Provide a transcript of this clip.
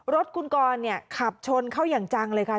รถคุณกรขับชนเข้าอย่างจังเลยค่ะ